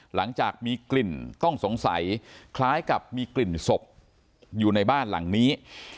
หลังจากมีกลิ่นต้องสงสัยคล้ายกับมีกลิ่นศพอยู่ในบ้านหลังนี้